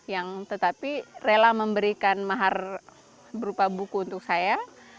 yang tetapi rela memberikan mahar berupa buku untuk saya